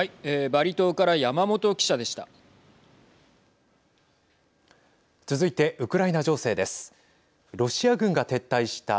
バリ島から山本記者でした。